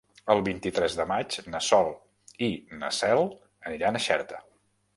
El vint-i-tres de maig na Sol i na Cel aniran a Xerta.